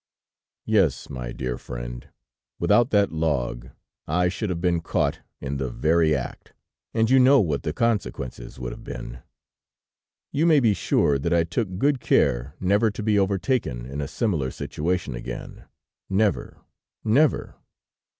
"Yes, my dear friend, without that log, I should have been caught in the very act, and you know what the consequences would have been! "You may be sure that I took good care never to be overtaken in a similar situation again; never, never.